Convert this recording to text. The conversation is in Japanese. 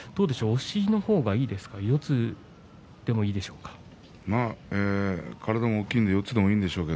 押しの方がいいですか四つでもいいでしょうか。